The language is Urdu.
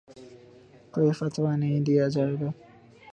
کوئی فتویٰ نہیں دیا جائے گا